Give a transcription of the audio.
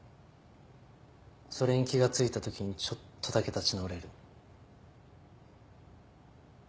それに気が付いたときにちょっとだけ立ち直れる。